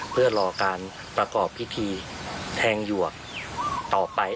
เพื่อรอการประกอบพิธีแทงหยวกต่อไป